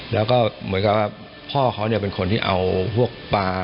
แล้วก็เหมือนกับว่าพ่อเขาเป็นคนที่เอาพวกปลา